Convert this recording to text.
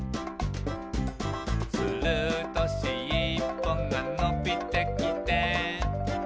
「するとしっぽがのびてきて」